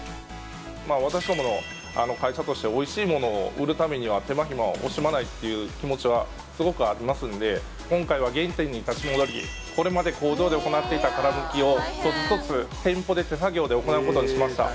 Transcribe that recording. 私どもの会社としておいしいものを売るためには手間暇を惜しまないっていう気持ちはすごくありますんで今回は原点に立ち戻りこれまで工場で行っていた殻むきを一つ一つ店舗で手作業で行うことにしました